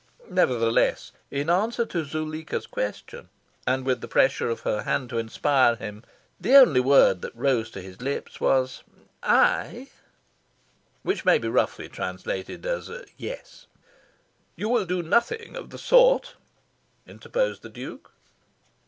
Nevertheless, in answer to Zuleika's question, and with the pressure of her hand to inspire him, the only word that rose to his lips was "Ay" (which may be roughly translated as "Yes"). "You will do nothing of the sort," interposed the Duke.